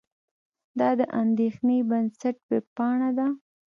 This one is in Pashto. دا د اندېښې بنسټ وېبپاڼه ده.